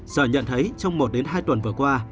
sở nhận thấy trong một hai tuần vừa qua